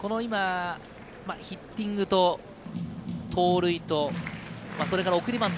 ヒッティングと盗塁、それから送りバント。